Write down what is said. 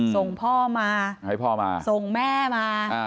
ส่งพ่อมาส่งแม่มา